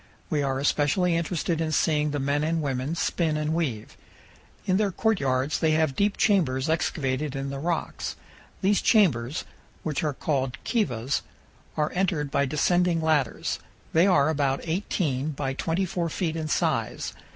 We are especially interested in seeing the men and women spin and weave. In their courtyards they have deep chambers excavated in the rocks. These chambers, 346 CANYONS OF THE COLORADO. which are called kivas, are entered by descending ladders. They are about 18 by 24 feet in size.